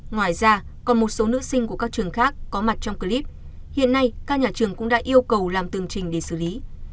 ngoài ra còn một số nữ sinh của các trường khác có mặt trong clip hiện nay các nhà trường cũng đã yêu cầu làm tường trình để xử lý